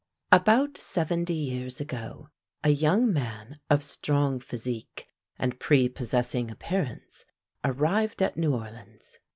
About seventy years ago a young man of strong physique and prepossessing appearance arrived at New Orleans.